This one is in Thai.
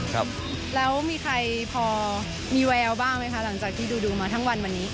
ครับแล้วมีใครพอมีแววบ้างไหมคะหลังจากที่ดูดูมาทั้งวันวันนี้